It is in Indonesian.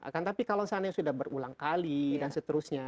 kalau misalnya sudah berulang kali dan seterusnya